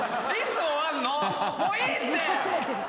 もういいって。